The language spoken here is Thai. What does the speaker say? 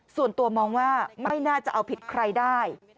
ส่วนตัวมองว่าไม่น่าจะเอาผิดใครได้